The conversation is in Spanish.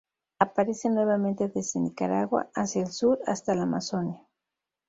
Aparece nuevamente desde Nicaragua hacia el sur, hasta la Amazonia.